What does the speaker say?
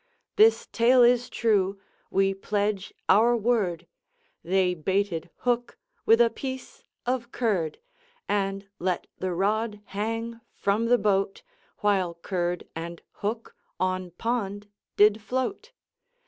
This tale is true we pledge our word, They baited hook with a piece of curd, And let the rod hang from the boat, While curd and hook on pond did float.